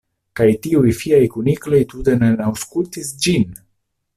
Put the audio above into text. Kaj tiuj fiaj kunikloj tute ne aŭskultis ĝin!